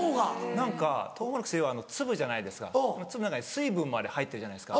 何かとうもろこしって要は粒じゃないですか粒の中に水分も入ってるじゃないですか。